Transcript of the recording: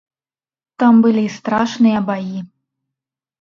Там былі страшныя баі.